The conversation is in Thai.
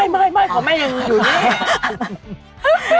ไม่ไหมค่ะหาแม่อยู่อยู่เลย